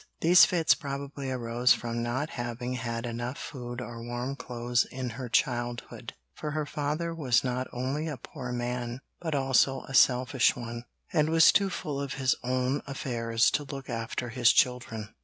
These fits probably arose from not having had enough food or warm clothes in her childhood, for her father was not only a poor man but also a selfish one, and was too full of his own affairs to look after his children.